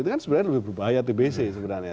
itu kan sebenarnya lebih berbahaya tbc sebenarnya